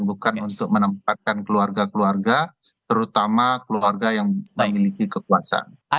bukan untuk menempatkan keluarga keluarga terutama keluarga yang memiliki kekuasaan